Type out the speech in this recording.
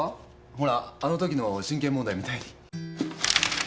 ほらあのときの親権問題みたいに。